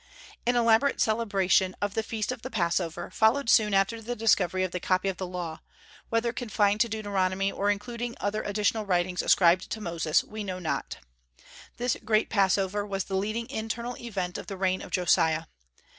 An elaborate celebration of the feast of the Passover followed soon after the discovery of the copy of the Law, whether confined to Deuteronomy or including other additional writings ascribed to Moses, we know not. This great Passover was the leading internal event of the reign of Josiah.